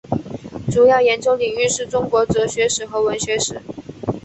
主要研究领域是中国哲学史和文学史。